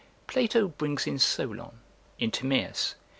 Plato brings in Solon, [In Timaeus.